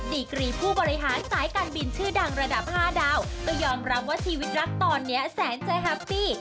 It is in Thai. ดีกรีผู้บริหารสายการบินชื่อดังระดับ๕ดาวก็ยอมรับว่าชีวิตรักตอนนี้แสนใจแฮปปี้